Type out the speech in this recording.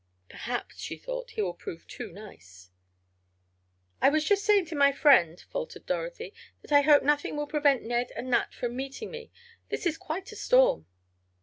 "Perhaps," she thought, "he will prove too nice." "I was just saying to my friend," faltered Dorothy, "that I hope nothing will prevent Ned and Nat from meeting me. This is quite a storm."